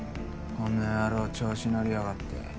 この野郎調子乗りやがって。